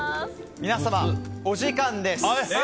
皆様、お時間です！